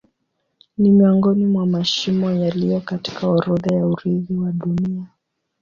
Ni miongoni mwa mashimo yaliyo katika orodha ya urithi wa Dunia.